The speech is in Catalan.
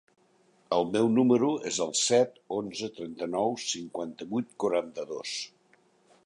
El meu número es el set, onze, trenta-nou, cinquanta-vuit, quaranta-dos.